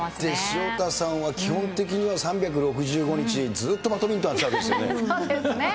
潮田さんは基本的には３６５日ずっとバドミントンやってましそうですね。